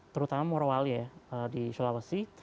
terutama morowali ya di sulawesi